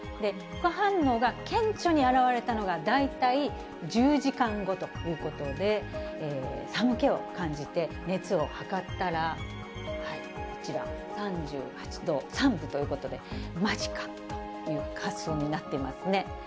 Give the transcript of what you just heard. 副反応が顕著に表れたのが、大体１０時間後ということで、寒気を感じて熱を測ったら、こちら、３８度３分ということで、まじかという感想になっていますね。